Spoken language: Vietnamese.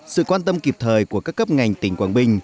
sự quan tâm kịp thời của các cấp ngành tỉnh quảng bình